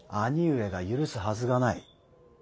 兄上が許すはずがない。